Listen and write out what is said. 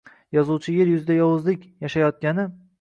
Yozuvchi Yer yuzida yovuzlik yashayotgani